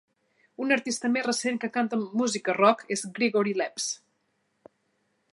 Un artista més recent que canta amb música rock és Grigory Leps.